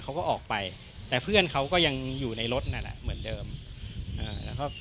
เขาก็ออกไปแต่เพื่อนเขาก็ยังอยู่ในรถนั่นแหละเหมือนเดิมอ่าแล้วก็